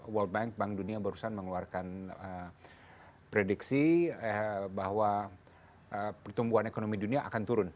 world bank bank dunia barusan mengeluarkan prediksi bahwa pertumbuhan ekonomi dunia akan turun